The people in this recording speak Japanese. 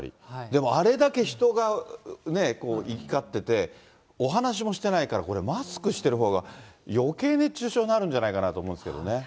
でも、あれだけ人が、ね、行きかってて、お話もしてないから、これ、マスクしているほうがよけい熱中症になるんじゃないかと思います